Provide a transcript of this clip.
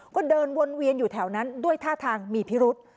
ก็เดินวนเวียนอยู่แถวนั้นด้วยท่าทางมีพิรุษ